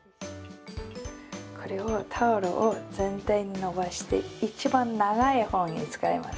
タオルを全体に伸ばして一番長い方を使います。